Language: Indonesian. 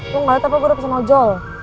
lu gak liat apa gue udah kesan ojol